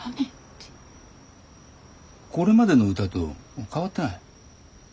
これまでの歌と変わってない。